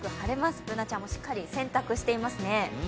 Ｂｏｏｎａちゃんもしっかり洗濯していますね。